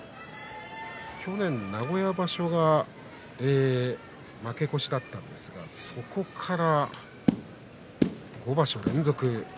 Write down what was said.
去年、名古屋場所が負け越しだったんですがそこから５場所連続。